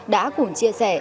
đã cùng chia sẻ